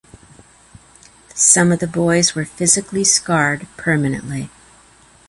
Some of the boys were physically scarred permanently.